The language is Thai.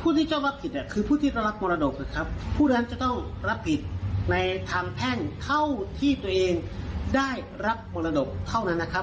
ผู้ที่เจ้ารับผิดเนี่ยคือผู้ที่ต้องรับมรดกนะครับผู้นั้นจะต้องรับผิดในทางแพ่งเท่าที่ตัวเองได้รับมรดกเท่านั้นนะครับ